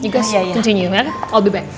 kalian lanjutkan aku balik